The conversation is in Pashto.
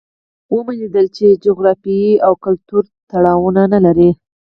ومو لیدل چې جغرافیې او کلتور تړاو نه لري.